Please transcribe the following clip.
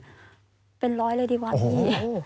ประมาณเป็นร้อยเลยดีกว่าพี่